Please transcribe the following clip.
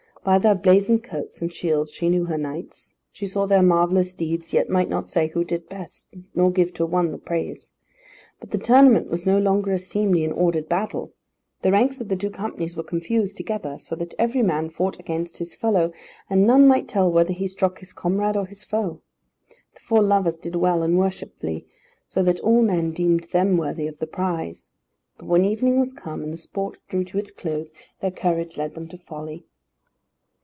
By their blazoned coats and shields she knew her knights; she saw their marvellous deeds, yet might not say who did best, nor give to one the praise. But the tournament was no longer a seemly and ordered battle. The ranks of the two companies were confused together, so that every man fought against his fellow, and none might tell whether he struck his comrade or his foe. The four lovers did well and worshipfully, so that all men deemed them worthy of the prize. But when evening was come, and the sport drew to its close, their courage led them to folly.